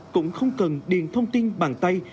cũng không cần điền thông tin bàn tay